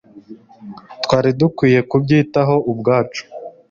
Twari dukwiye kubyitaho ubwacu